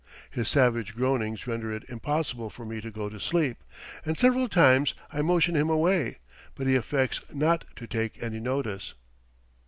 His savage groanings render it impossible for me to go to sleep, and several times I motion him away; but he affects not to take any notice.